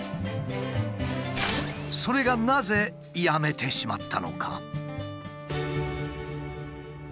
それがなぜやめてしまったのか？